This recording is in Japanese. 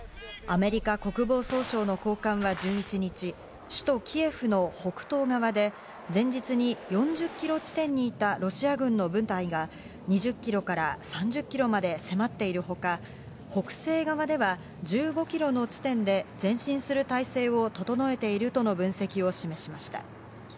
アメリカ国防総省の高官は１１日、首都キエフの北東側で、前日に４０キロ地点にいたロシア軍の部隊が２０キロから３０キロまで迫っているほか、北西側では１５キロの地点で前進する態勢を整えているとの分析を示しました。